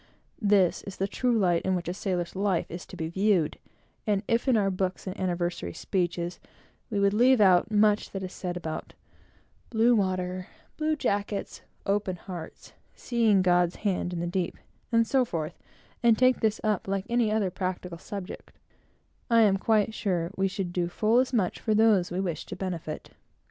This is the true light in which a sailor's life is to be viewed; and if in our books, and anniversary speeches, we would leave out much that is said about "blue water," "blue jackets," "open hearts," "seeing God's hand on the deep," and so forth, and take this up like any other practical subject, I am quite sure we should do full as much for those we wish to benefit.